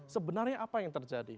sebenarnya apa yang terjadi